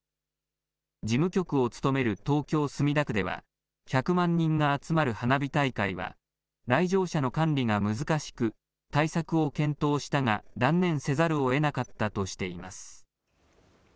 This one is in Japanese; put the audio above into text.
事務局を務める東京・墨田区では、１００万人が集まる花火大会は、来場者の管理が難しく、対策を検討したが断念せざるをえなかったとしています。